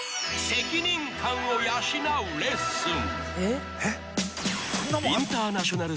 責任感を養うレッスン。